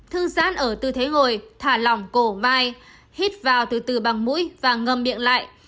thương sát ở tư thế ngồi thả lỏng cổ vai hít vào từ từ bằng mũi và ngâm miệng lại